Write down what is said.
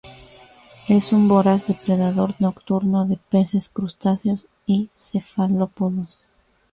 Es un voraz depredador nocturno de peces, crustáceos y cefalópodos.